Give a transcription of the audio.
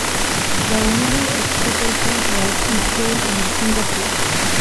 The only exception were Israel and Singapore.